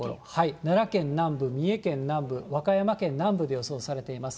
奈良県南部、三重県南部、和歌山県南部で予想されています。